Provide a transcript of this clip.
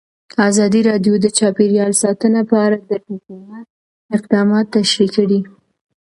ازادي راډیو د چاپیریال ساتنه په اړه د حکومت اقدامات تشریح کړي.